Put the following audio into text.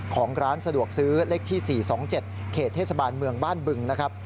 ของร้านสะดวกซื้อเลขที่๔๒๗เขตเทศบาลเมืองบ้านบึงนะครับ